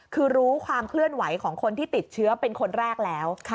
คือรู้ความเคลื่อนไหวของคนที่ติดเชื้อเป็นคนแรกแล้ว